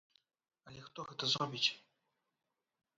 Але хто гэта зробіць?